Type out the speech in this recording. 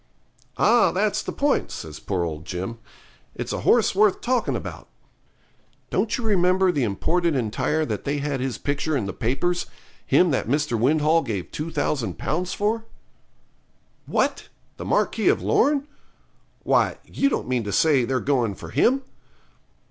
'Ah, that's the point,' says poor old Jim, 'it's a horse worth talking about. Don't you remember the imported entire that they had his picture in the papers him that Mr. Windhall gave 2000 Pounds for?' 'What! the Marquis of Lorne? Why, you don't mean to say they're going for him?'